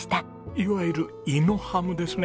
いわゆるイノハムですね。